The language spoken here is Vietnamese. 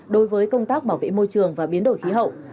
đối với công tác bảo vệ môi trường và biến đổi khí hậu